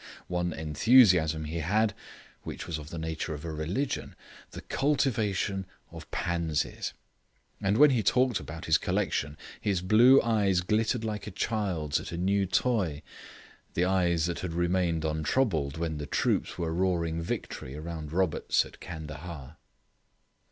One enthusiasm he had, which was of the nature of a religion the cultivation of pansies. And when he talked about his collection, his blue eyes glittered like a child's at a new toy, the eyes that had remained untroubled when the troops were roaring victory round Roberts at Candahar.